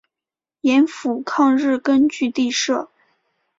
盐阜抗日根据地设。